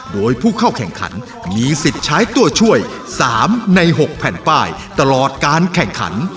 โดยผู้เข้าแข่งขันมีสิทธิ์ใช้ตัวช่วย๓ใน๖แผ่นป้ายตลอดการแข่งขัน